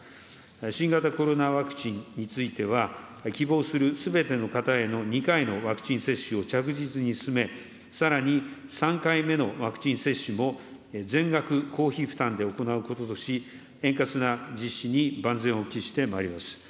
新型コロナワクチンについては、希望するすべての方への２回のワクチン接種を着実に進め、さらに３回目のワクチン接種も全額公費負担で行うこととし、円滑な実施に万全を期してまいります。